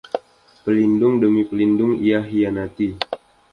Pelindung demi pelindung ia khianati.